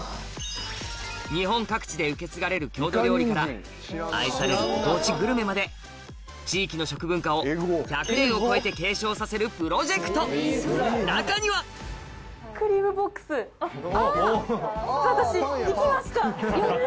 日本各地で受け継がれる郷土料理から愛されるご当地グルメまで地域の食文化を１００年を超えて継承させるプロジェクト中には私行きました！